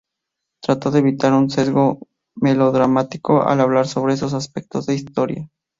Trató de evitar un sesgo melodramático al hablar sobre esos aspectos de la historia.